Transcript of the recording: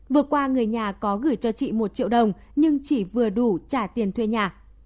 vừa qua người nhà có gửi cho chị một triệu đồng nhưng chỉ vừa đủ trả tiền thuê nhà